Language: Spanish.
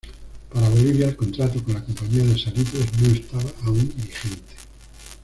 Para Bolivia el contrato con la Compañía de Salitres no estaba aun vigente.